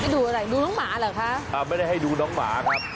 ดูอะไรดูน้องหมาเหรอคะอ่าไม่ได้ให้ดูน้องหมาครับ